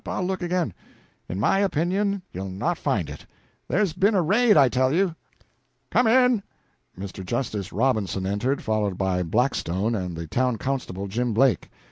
I'll look again." "In my opinion you'll not find it. There's been a raid, I tell you. Come in!" Mr. Justice Robinson entered, followed by Buckstone and the town constable, Jim Blake.